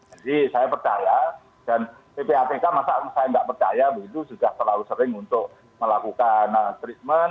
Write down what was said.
jadi saya percaya dan ppatk masa saya nggak percaya begitu sudah terlalu sering untuk melakukan treatment